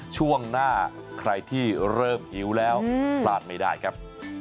ช่วงหน้าใครที่เริ่มหิวแล้วพลาดไม่ได้ครับ